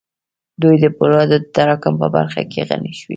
دوی د پولادو د تراکم په برخه کې غني شوې